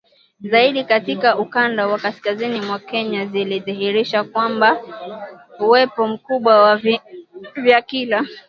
zaidi katika ukanda wa kaskazini mwa Kenya zilidhihirisha uwepo mkubwa wa viini vya kila